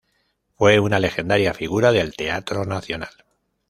Fue una legendaria figura del Teatro Nacional.